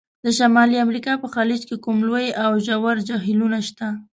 د شمالي امریکا په خلیج کې کوم لوی او ژور خلیجونه شته؟